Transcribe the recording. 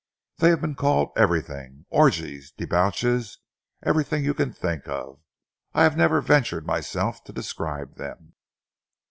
"They have been called everything orgies, debauches everything you can think of. I have never ventured myself to describe them."